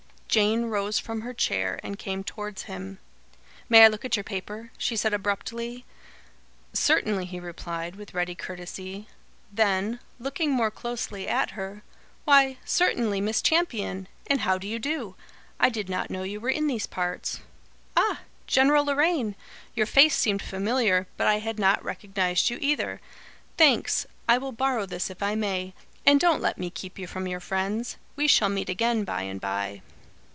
Jane rose from her chair and came towards him. "May I look at your paper?" she said abruptly. "Certainly," he replied, with ready courtesy. Then, looking more closely at her: "Why, certainly, Miss Champion. And how do you do? I did not know you were in these parts." "Ah, General Loraine! Your face seemed familiar, but I had not recognised you, either. Thanks, I will borrow this if I may. And don't let me keep you from your friends. We shall meet again by and by."